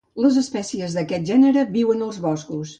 Les espècies d'aquest gènere viuen als boscos.